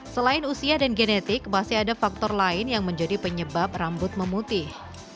selain usia dan genetik masih ada faktor lain yang menjadi penyebab rambut memutih